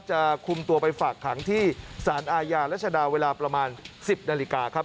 จะคุมตัวไปฝากขังที่สารอาญารัชดาเวลาประมาณ๑๐นาฬิกาครับ